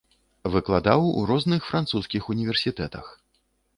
Выкладаў у розных французскіх універсітэтах.